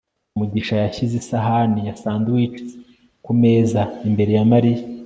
mugisha yashyize isahani ya sandwiches kumeza imbere ya mariya